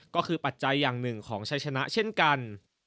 ก็คือปัจจัยอย่างหนึ่งของชัยชนะเช่นกัน